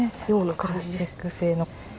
プラスチック製の。